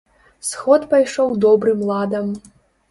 Сход пайшоў добрым ладам.